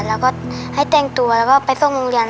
แล้วก็ให้แต่งตัวแล้วก็ไปส่งโรงเรียน